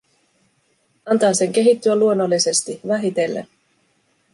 Antaa sen kehittyä luonnollisesti, vähitellen.